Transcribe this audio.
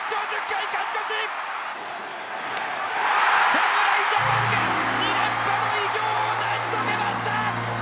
侍ジャパンが２連覇の偉業を成し遂げました！